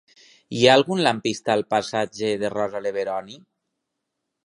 Hi ha algun lampista al passatge de Rosa Leveroni?